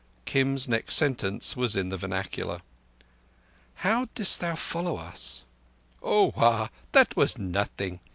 Kim's next sentence was in the vernacular. "How didst thou follow us?" "Oah. Thatt was nothing.